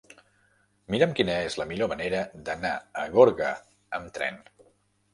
Mira'm quina és la millor manera d'anar a Gorga amb tren.